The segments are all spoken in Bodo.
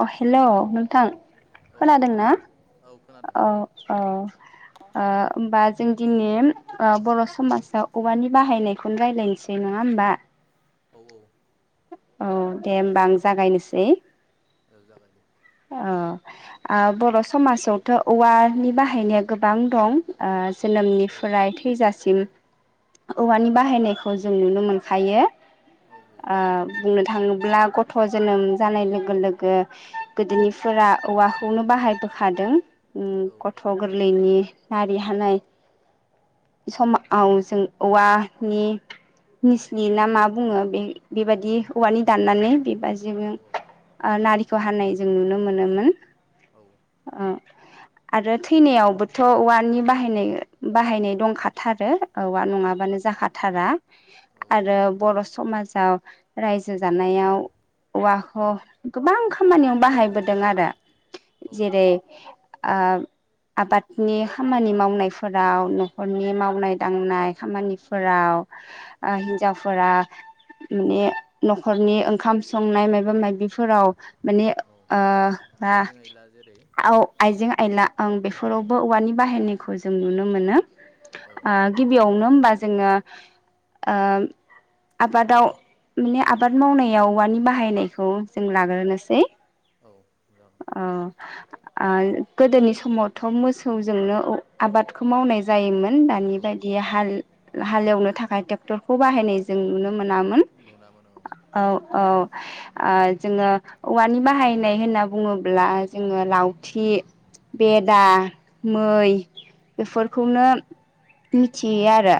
अ हेलौ नोंथां औ औ खोनादों ना औ खोनादों अ अ ओ होनब जों दिनै बर' ओ समाजाव औवानि बाहायनायखौनो रायज्लायनोसै नङा होमबा औ औ औ दे होमबा आं जागायनोसै औ जागायदो औ ओ बर' समाजावथ औवानि बाहायनाया गोबां दं ओ औ औ जोनोमनिफ्राय थैजासिम औवानि बाहायनायखौ जों नुनो मोनखायो औ औ ओ बुंनो थाङोब्ला गथ' जोनोम जानाय लोगो लोगो गोदोनिफोरा औवाखौनो बाहायबोखादों उम औ गथ' गोरलैनि नारि हानाय समाव जों औवानि निसनि ना मा बुङो बे बेबायदि औवानि दाननानै औ [unintelligible] ओ नारि खौ हानाय जों नुनो मोनोमोन अ आरो थैनायावबोथ औवानि बाहायनाय बाहायनाय दंखाथारो औवा नङाबानो जाखाथारा आरो बर' समाजाव रायजो जानायाव औवाखौ गोबां खामानियाव बाहायबोदों आरो औ जेरै आह आबादनि खामानि मावनायफोराव न'खरनि मावनाय दांनाय खामानिफोराव ओ हिन्जावफोरा माने न'खरनि ओंखाम संनाय मायबा बायबिफोराव माने ओ आ आइजें आइला जेरै आव आइजें आइला ओं औ बेफोरावबो औवानि बाहायनाय खौ जों नुनो मोनो औ ओ गिबियावनो होमबा जोङो ओ आबादाव माने आबाद मावनायाव औनि बाहायनायखौ जों लाग्रोनोसै औ अ ओ गोदोनि समावथ' मोसौजोंनो आबादखौ मावनाय जायोमोन दानि औ बायदि औ हाल हालेवनो था खाय ट्रेक्टरखौ बाहायनाय जों नुनो मोना नुना मोनो औ औ ओ जोङो औवानि बाहायनाय होनना बुङोब्ला जोङो लावथि बेदा मै औ बेफोरखौनो औ मिथियो आरो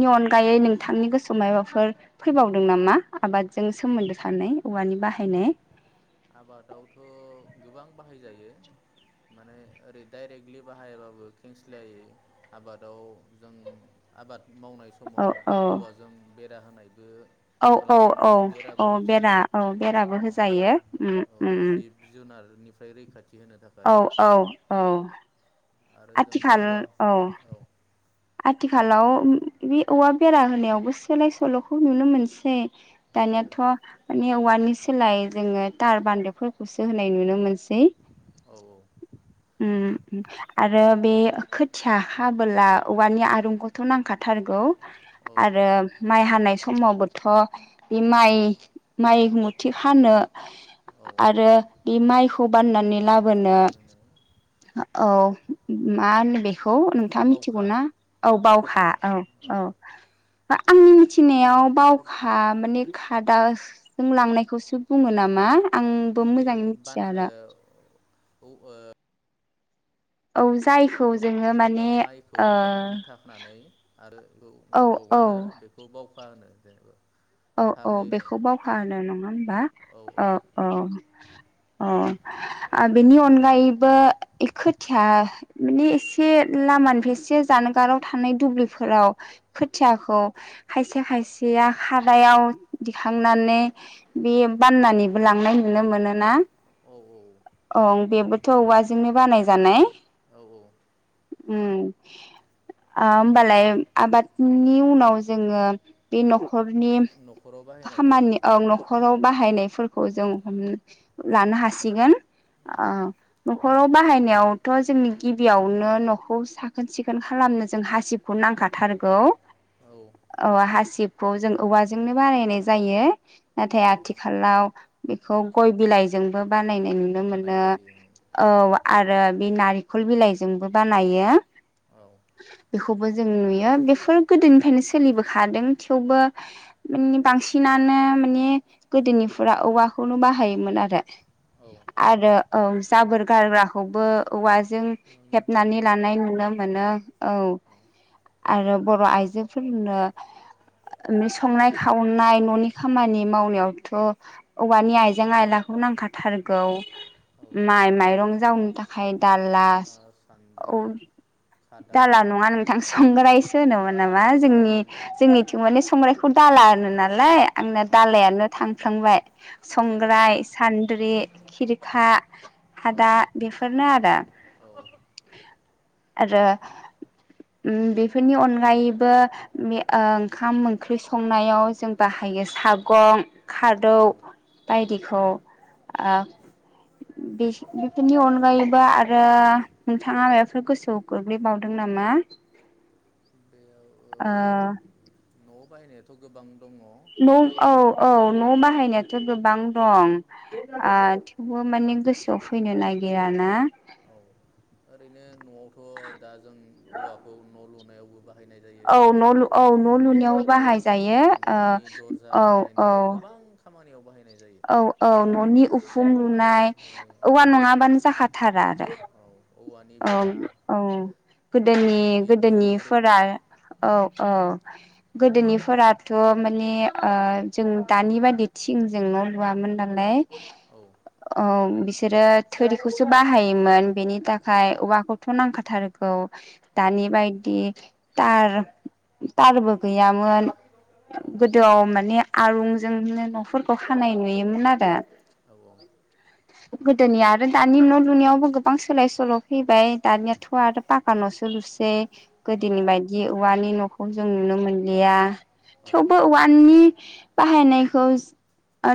औ अनगायै नों थांनि गोसोआव मायबाफोर फैबावदों नामा आबादजों सोमोन्दो थानाय औवानि बाहायनाय आबादावथ' गोबां बाहायजायो माने ओरै दाइरेक्टलि बाहायाबाबो खेंसलियायै आबादाव जों आबाद मावनाय औ समाव औ औवाजों बेरा होनायबो औ औ खालामनाय औ बेराबो औ बेरा होजायो औ बेराबो होजायो उम औ उम जिब जुनारनिफ्राय रैखा थि होनो थाखाय औ औ औ आरो जों आथिखाल औवा औ आथिखालाव बे औवा बेरा होनायावबो सोलाय सोल'खौ नुनो मोनसै औ दानियाथ' औवानि सोलाय जोङो थार बान्दोफोरखौसो होनाय नुनो मोनस औ औ आरो बे खोथिया हाबोला औवानि आरुंखौथ' नांखाथारगौ औ आरो माइ हानाय समावबोथ' बे औ माइ माइ मुथि खानो औ आरो बि माइखौ बाननानै ला [unintelligible] औ मा होन बे खौ नोंथाङा बावखा मिथिगौना? औ बावखा औ औ आंनि मिथिनायाव बावखा माने खादाजों लांनायखौसो बुङो नामा आंबो बै मोजाङै बान मिथिया आरो ओ औ ओ औ जायखौ जोङो माने माइखौ ओ मुथाखानै आरो बे औ अ औ बानो बेखौ बावखा होनो जेनेबा औ औ फारनै बेखौ बावखा होनो नङा होमबा औ औ अ अ अ आरो बेनि अनगायैबो खो खोथिया माने एसे लामानिफ्राय एसे जानगाराव थानाय दुब्लिफोराव खोथियाखौ खायसे खायसे आ खा दायाव दिखां औ नानै बे बाननानैबो लांनाय नुनो मोनोना औ अ बेबो थ' औवाजोंनो बानायजानाय औ औ उम आ ओमबालाय आबादनि उनाव जोङो बे न'खर नि न'खराव बाहायनायखौ खामानि औ ओं न'खराव बाहायनायफोर खौ जों हम लानो हासिगोन ओ न'खराव बाहायनायावथ' जोंनि गिबियावनो न'खौ साखोन सिखोन खालामनो जों हासिबखौ नांखाथारगौ औ हासिब जों औवा जोंनो बानाय नायनाय जायो। औ नाथाय आथिखालाव बेखौ गय बिलाइजोंबो बानाय नायनाय नुनो बानाय मोनो जायो औ आरो बे नारिखल बिलाइजोंबो बानायो। औ बेखौबो जों नुयो बेफोर गोदोनिफायनो सोलिबोखादों। थेवबो माने बांसिनानो माने गोदोनिफोरा औवाखौनो बाहायोमोन आरो। औ आरो औ जाबोर गारग्राखौबो औवाजों नोंनो हेबनानै बानायनाय जायो लानाय औ नुनो मोनो औ। आरो बर' आइजोफोरनो संनाय खावनाय न'नि खामानि मावनायावथ' औवानि आइजें आइलाखौ नांखाथारगौ। औ माइ माइरं जावनि थाखाय दालास औ सान्द्रि खादा दाला नङा नोंथां संग्राय होनोमोन नामा जोंनि जोंनि थिं माने संग्रायखौ दाला होनो नालाय। आंना अ दालायानो थांफ्लांबाय जेबो नङा संग्राय, सान्द्रि, खिरखा, औ खादा बेफोरनो आरो। औ आरो उम बेफोरनि अनगायैबो बे ओ ओंखाम ओंख्रि संनायाव जों बाहायो सागं खारदौ औ औ बायदिखौ ओ बेफोरनि अनगायैबो आरो नोंथाङा मायबाफोर गोसोआव गोग्लैबावदों नामा? ओ न' बायनायाथ' गोबां दङ औ न' औ औ न' बाहायनायाथ' गोबां दं। औ ओ थेवबो माने गोसोआव फैनो ना गैयाना औ ओरैनो न'आवथ' दा जों औवाखौ न' लुनायाव औ न औ न' लुनायाव बाहायजायो न'नि दरजा औ औ बानायनाय गोबां खामानियाव बाहायनाय जायो औ औ न'नि उखुम लुनाय ओमफ्राय औवा नङाबानो जाखा थारा आरो। औ औवानि औ बेरा औ गोदोनि इन्जुर गोदोनिफोरा औ औ गोदोनिफोराथ माने ओ जों दानि बादि थिंजों न लुवामोन नालाय। औ औ बिसोरो थोरिखौसो बाहायोमोन बेनि थाखाय औ खाय औवाखौथ नांखाथारगौ औ दानि बायदि थार तारबो गैयामोन। गोदोआव माने आरुंजोंनो नफोरखौ खानाय नुयोमोन आरो। औ औ गोदोनिया आरो दानि न लुनायावबो गोबां सोलाय सोल फैबाय दानिया थ आरो पाका नसो लुसेै। औ गोदोनि बायदि औवानि नखौ जों नुनो मोनलिया। औ थेउबो औवानि बाहायनायखौ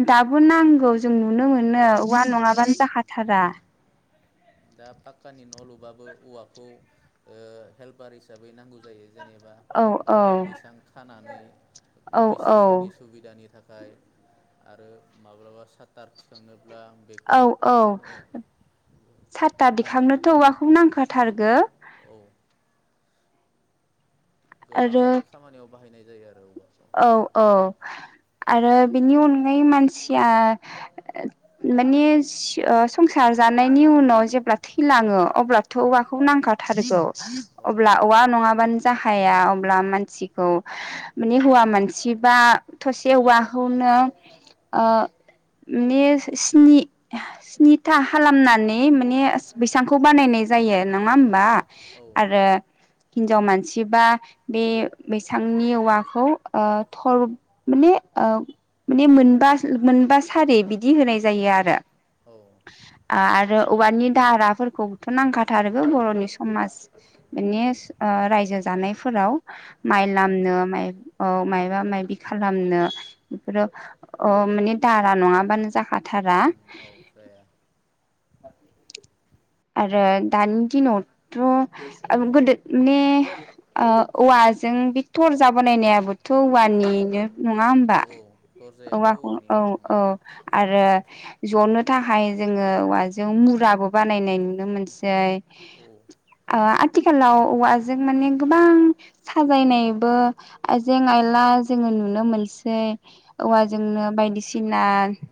दाबो नांगौ। जों नुनो मोनो नांगौ औवा नेवसिनो हाया नङाबानो आरो जाखाथारा। दा पाक्कानि न लुबाबो औवाखौ ओ हेल्पार हिसाबै नांगौ जायो। जेनेबा औ ओ औ बैसां खानानै औ मिस्थ्रिफोरनि सुबिदानि थाख खाय आरो माब्लाबा साथार थिखांनो अब्ला आं बेखौ औ ओ थार हम दिखांनोथ औवाखौ नांखा थारगो। औ गोबां आरो खामानियाव बाहायनाय जायो आरो अबा औ औ आरो बेनि अनगायै मानसिया माने संसार ओ जानायनि उनाव जेब्ला थैलाङो अब्लाथ औवाखौ औ नांखाथारगौ। औ अब्ला औवा नङाबानो जाहाया अब्ला मानसिखौ माने हौवा मानसिबा थसे औवाखौनो ओ माने स्नि स्निथा खालामनानै माने बैसांखौ बानायनाय जायो नङा होमबा? औ आरो हिनजाव मानसिबा बे बैसांनि औवा खौ ओ थर माने ओ माने मोनबा मोनबा सारि बिदि होनाय जायो आरो। औ आरो औवानि दारा फोरखौबोथ नांखाथारगो बर'नि समाज माने औ ओ रायजो जानायफोराव। औ माइ दा लामनो माइ औ मायबा माबि खालामनो बेफोरो औ माने दारा नङाबानो जाखाथारा। औ जाया। आरो दानि दिनावथ' गोदो माने ओ औवाजों बे थरजा बानायनायाबोथ औवानिनो। नङा औ होनबा? औ दरजायाबो औवाखौ औ औवानिनो औ उम आरो जनो थाखाय जोङो औवाजों मुराबो बानाय नाय नुयो नुनो मोनसै औ ओ आ आथिखालाव औवाजों माने गोबां साजायनायबो आइजें आइला जोङो नुनो मोनसै औ औवाजोंनो बायदिसिना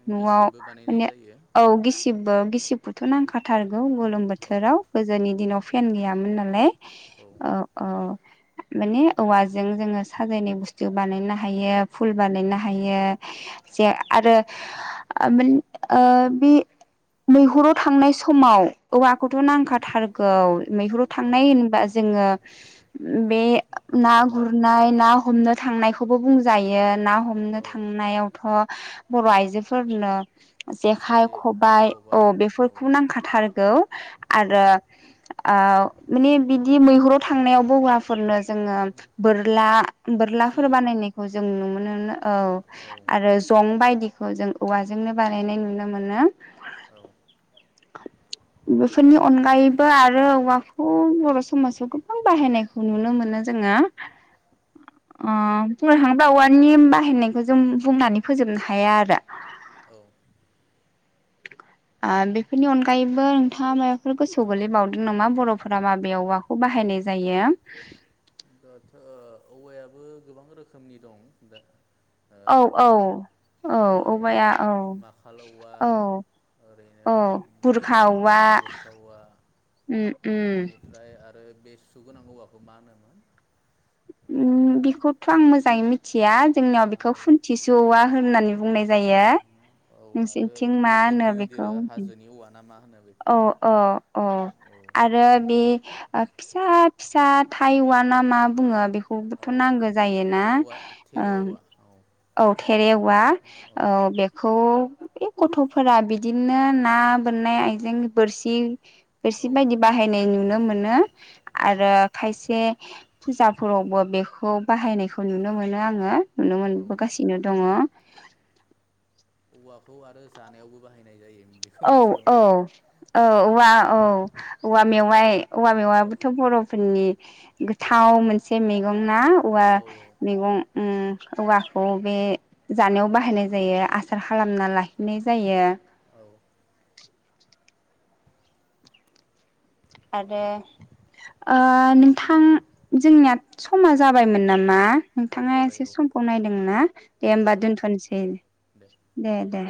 न'आव गिसिबबो बानायनाय माने जायो औ गिसिबबो गिसिब बोथ' नांखा थारगौ गोलोम औ बोथोराव गोजोनि दिनाव फै पेन गैयामोन नालाय औ अ अ माने औवाजों जोङो साजायनाय बुस्थु बानायनो हायो फुल बानायनो हायो जे आरो ओ बे मैहुराव थांनाय सम समाव औवाखौथ' नांखाथारगौ मैहुराव औ थांनाय होनबा जोङो बे ना बोरला गुरनाय ना हमनाय थांनायखौबो बुंजायो ना हमनो औ थांनायावथ' बर' आयजोफोरनो जेखाइ खबाइ औ बेफोरखौ नांखा थारगौ औ आरो ओ माने बि मैहुराव थांनायावबो हौवाफोरनो जोङो बोरला बोरलाफोर थिर बानायनायखौ जों नुनो। नुनो औ आरो जं बाय दिखौ जों औवाजोंनो बानायनाय नुनो मोनो। औ बेफोरनि अनगायैबो आरो औवाखौ बर' समाजाव गोबां बाहायनायखौ नुनो मोनो जोङो ओ बुंनो थाङोबा औवानि बाहायनायखौ जों बुंनानै फोजोबनो हाया आरो औ आ बेफोरनि अनगायैबो नोंथाङा माबाफोर गोसोआव गोलैबावदों नामा बर'फोरा माबे औवाखौ बाहायनाय जायो। दाथ' औवायाबो गोबां रोखोमनि दं। दा औ औ ओ औ औवाया औ माखाल औवा औ औ ओरैनो बुरखा औवा-' बुरखा औवा बेनिफ्राय आरो बे सुगोनां औवाखौ मा होनोमोन? उ ओ बेखौथ' आं मोजाङै मिथि या जोंनियाव बेखौ आरो खुन्थिसौ औवा होननानै बुंनाय जायो। औ आरो नोंसोनिथिं बे मा होनो गिदिर गिदिर बेखौ हाजोनि औवा ना मा होनो बेखौ औ औ औ औ आरो बे फिसा फिसा थाइ औवा ना मा बुङो बे बखौबोथ' औ नांगौ जायोना औवा उ थेरे औवा औ औ थेरे औवा औ बेखौ बे गथ'फोरा बिदिनो ना बोननाय आय जें बोरसि बोरसि बायदि औ बाहायनाय नुनो मोनो आरो खायसे फुजाफोरावबो बेखौ बाहायनायखौ नुनो मोनो आङो नुनो औ मोनबोगासिनो दङ औवाखौ आरो जानायावबो बाहायनाय जायो बेखौ औ मिथिगौ औ ना औ औवा औ औवा मेवाइ औवा औ मेवायाबोथ' बर'फोरनि गोथाव मोनसे मैगं ना औवा औ मैगं उम औवाखौ बे जानायाव बाहायनाय जायो आसार खालामना लाखिनाय जायो औ [inaudible] आरो ओ नोंथां जोंनिया समा जाबायमोन नामा? औ नोंथाङा जाबाय एसे औ समखौ नायदोंना दे औ होमबा जाबाय दोनथ'नोसै दे दे